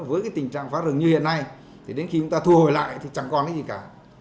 với cái tình trạng phá rừng như hiện nay thì đến khi chúng ta thu hồi lại thì chẳng còn cái gì cả